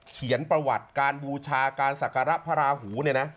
เขียนประวัติการบูชาการศักระพระราหูเนี่ยนะ